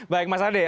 baik mas hadi